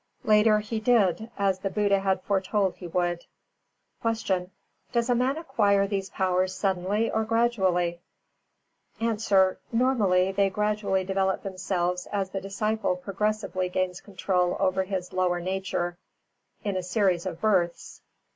Later he did, as the Buddha had foretold he would. 373. Q. Does a man acquire these powers suddenly or gradually? A. Normally, they gradually develop themselves as the disciple progressively gains control over his lower nature in a series of births.